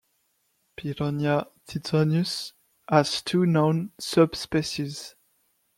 "Pyronia tithonus" has two known subspecies.